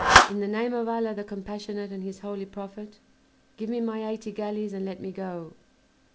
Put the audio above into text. In the name of Allah the compassionate and his holy Prophet give me my eighty galleys and let me go."